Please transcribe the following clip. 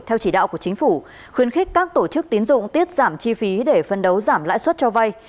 theo chỉ đạo của chính phủ khuyến khích các tổ chức tiến dụng tiết giảm chi phí để phân đấu giảm lãi suất cho vay